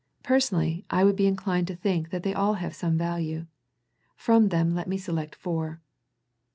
Personally I would be inclined to think that they all have some value. From them let me select four.